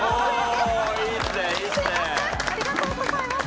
ありがとうございます。